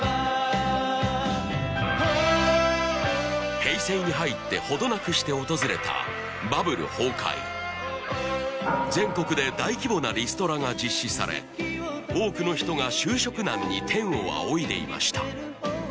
平成に入って程なくして訪れた全国で大規模なリストラが実施され多くの人が就職難に天を仰いでいました